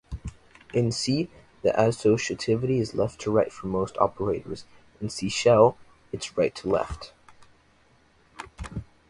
In C, the associativity is left-to-right for most operators; in C shell, it's right-to-left.